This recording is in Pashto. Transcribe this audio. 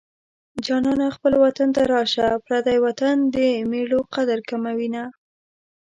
جانانه خپل وطن ته راشه پردی وطن د مېړو قدر کموينه